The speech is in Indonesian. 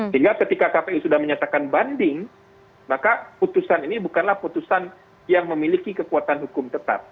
sehingga ketika kpu sudah menyatakan banding maka putusan ini bukanlah putusan yang memiliki kekuatan hukum tetap